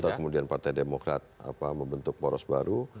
atau kemudian partai demokrat membentuk poros baru